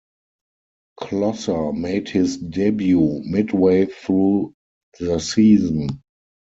Closser made his debut midway through the season.